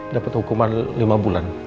dapat hukuman lima bulan